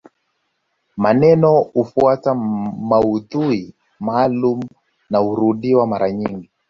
Maneno hufuata maudhui maalumu na hurudiwa mara nyingi